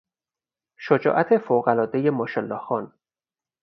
شجاعت فوقالعادهی ماشاالله خان